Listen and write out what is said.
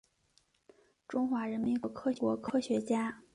中华人民共和国科学家。